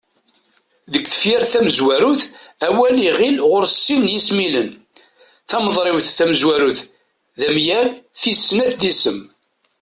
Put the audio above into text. Deg tefyirt tamezwarut, awal iɣil ɣur-s sin yismilen: Timeḍriwt tamezwarut d amyag, tis snat d isem.